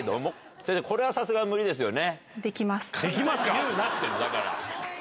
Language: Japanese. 先生、これはさすがに無理ですよね？